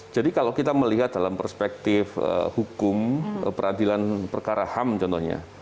jadi kalau kita melihat dalam perspektif hukum peradilan perkara ham contohnya